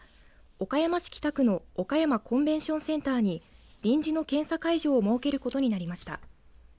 岡山市北区の岡山コンベンションセンターに臨時の検査会場を設けることになりました。